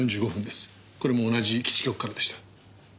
これも同じ基地局からでした。